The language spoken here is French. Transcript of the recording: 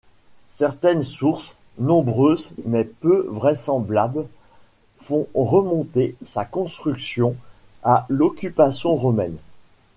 Certaines sources, nombreuses mais peu vraisemblables, font remonter sa construction à l'occupation romaine.